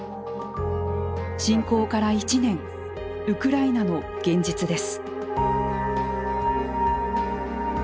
侵攻から１年ウクライナの現実です。